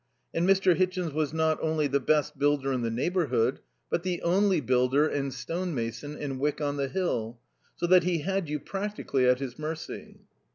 And Mr. Hitchin was not only the best builder in the neighbourhood, but the only builder and stonemason in Wyck on the Hill, so that he had you practically at his mercy.